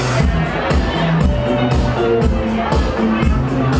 ไม่ต้องถามไม่ต้องถาม